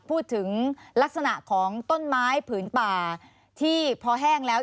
พูดถึงลักษณะของต้นไม้ผืนป่าที่พอแห้งแล้ว